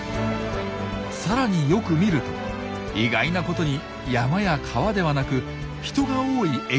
さらによく見ると意外なことに山や川ではなく人が多い駅前に集中しています。